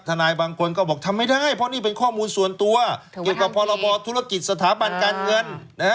นายบางคนก็บอกทำไม่ได้เพราะนี่เป็นข้อมูลส่วนตัวเกี่ยวกับพรบธุรกิจสถาบันการเงิน